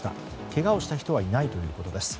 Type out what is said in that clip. けがをした人はいないということです。